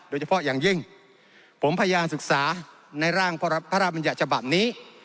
โดยเฉพาะอย่างยิ่งผมพยายามศึกษาในร่างพระราชบัญญัติฉบับนี้